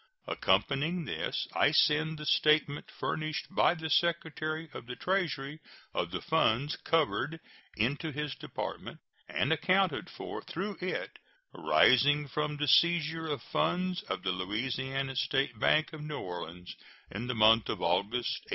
Accompanying this I send the statement furnished by the Secretary of the Treasury of the funds covered into his Department, and accounted for through it, arising from the seizure of funds of the Louisiana State Bank of New Orleans in the month of August, 1862.